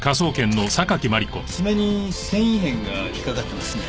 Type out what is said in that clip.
爪に繊維片が引っかかってますね。